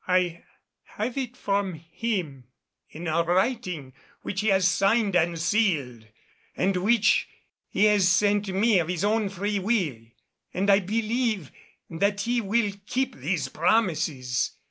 I have it from him in a writing which he has signed and sealed, and which he has sent me of his own free will; and I believe that he will keep these promises.